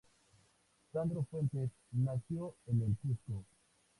Sandro Fuentes nació en el Cusco.